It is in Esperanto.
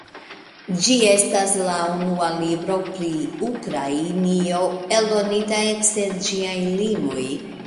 Ĝi estas la unua libro pri Ukrainio, eldonita ekster ĝiaj limoj.